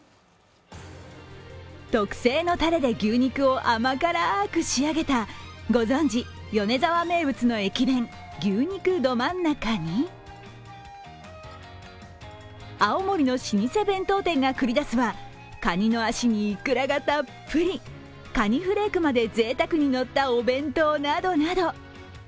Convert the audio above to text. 特製のたれで牛肉を甘辛く仕上げたご存じ、米沢名物の駅弁牛肉どまん中に青森の老舗弁当店が繰り出すはかにの足にイクラがたっぷり、かにフレークまでぜいたくにのったお弁当などなど。